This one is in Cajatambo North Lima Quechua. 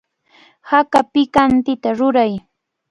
Haka pikantita ruray.